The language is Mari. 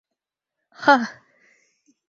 — Ха!